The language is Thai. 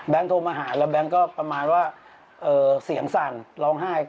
โทรมาหาแล้วแก๊งก็ประมาณว่าเสียงสั่นร้องไห้